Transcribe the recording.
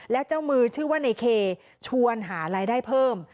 แล้วเจ้ามือชื่อว่าในเคชวนหารายได้เพิ่ม